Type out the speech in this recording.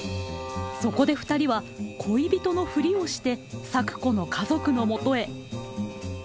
そこでふたりは恋人のフリをして咲子の家族のもとへ。